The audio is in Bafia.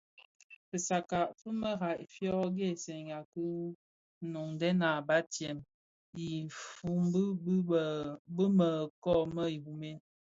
Fitsakka fi marai fyo ghësèyi ki noňdè a batsèm i dhifombu bi më kōō më Jrume.